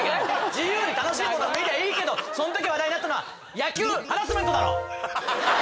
自由に楽しいもの見りゃいいけどその時話題だったのは野球ハラスメントだろ！